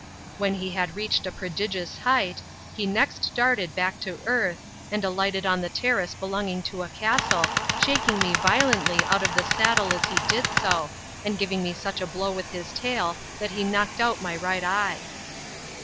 When he had reached a prodigious height, he next darted back to earth, and alighted on the terrace belonging to a castle, shaking me violently out of the saddle as he did so, and giving me such a blow with his tail, that he knocked out my right eye.